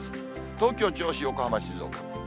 東京、銚子、横浜、静岡。